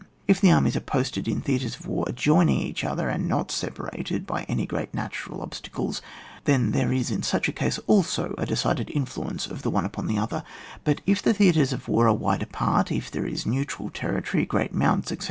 If the armies are posted in theatres of war adjoining each other, and not separated by any great natural ob stacles, then there is in such case also a decided influence of the one upon the other; but if the theatres of war are wide apart, if there is neutral territory, great mountains, etc.